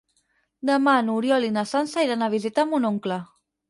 Demà n'Oriol i na Sança iran a visitar mon oncle.